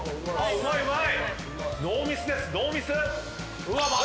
うまいうまい。